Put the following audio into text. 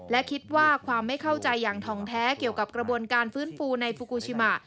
และคิดว่าความไม่เข้าใจอย่างทองแท้เกี่ยวกับกระบวนการฟื้นฟูในฟูกูชิมะ